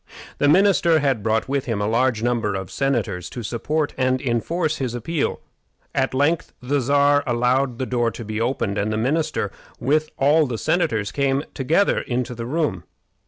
The minister had brought with him a large number of senators to support and enforce his appeal. At length the Czar allowed the door to be opened, and the minister, with all the senators, came together into the room.